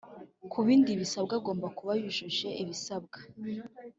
Kubindi bisabwa agomba kubayujuje ibisabwa